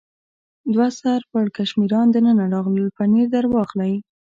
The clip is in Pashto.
دوه سر پړکمشران دننه راغلل، پنیر در واخلئ.